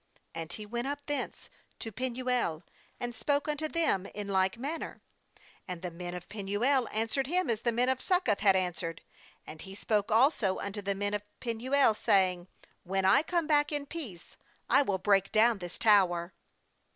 8And he went up thence to Penuel, and spoke unto them in like manner; and the men of Penuel answered him as the men of Suecoth had answered. 9And he spoke also unto the men of Penuel, saying :' When I come back in peace, I will break down this tower.'